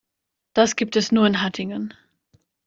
Das gibt es nur in Hattingen